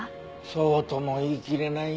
そうとも言い切れないよ。